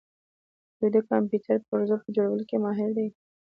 دوی د کمپیوټر پرزو په جوړولو کې ماهر دي.